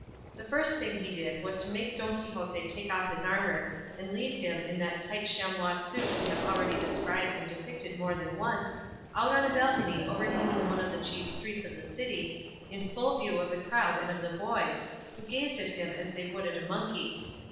The first thing he did was to make Don Quixote take off his armour, and lead him, in that tight chamois suit we have already described and depicted more than once, out on a balcony overhanging one of the chief streets of the city, in full view of the crowd and of the boys, who gazed at him as they would at a monkey.